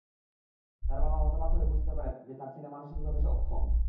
তার বাবা হতবাক হয়ে বুঝতে পারে যে তার ছেলে মানসিকভাবে অক্ষম।